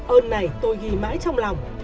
ơn này tôi ghi mãi trong lòng